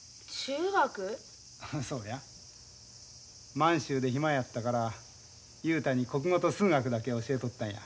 満州で暇やったから雄太に国語と数学だけ教えとったんや。